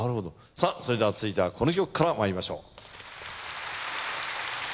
さあそれでは続いてはこの曲からまいりましょう。